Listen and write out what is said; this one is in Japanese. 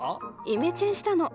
イメチェンしたの。